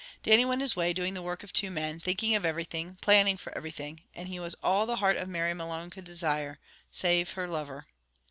Dannie went his way, doing the work of two men, thinking of everything, planning for everything, and he was all the heart of Mary Malone could desire, save her lover.